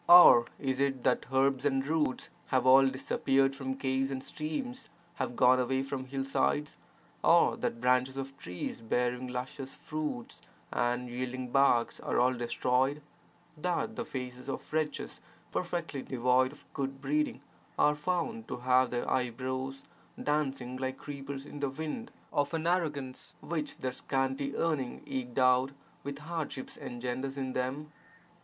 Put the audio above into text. Or is it that herbs and roots have all disappeared from caves, and streams have gone away from hillsides, or that branches of trees bearing luscious fruits and yielding barks are all destroyed, that the faces of wretches, perfectly devoid of good breeding, are found to have their eyebrows dancing like creepers in the wind of an arrogance which their scanty earning eked out with hardship engenders in them?